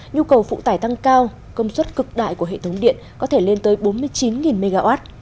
nhu cầu phụ tải tăng cao công suất cực đại của hệ thống điện có thể lên tới bốn mươi chín mw